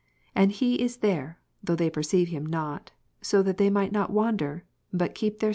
And He is there, though they perceive Ps. 58, Him not*, that so they might not wander, but keep their Vulg.